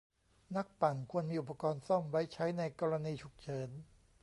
นักปั่นควรมีอุปกรณ์ซ่อมไว้ใช้ในกรณีฉุกเฉิน